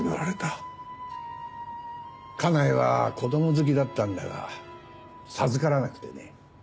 家内は子供好きだったんだが授からなくてね。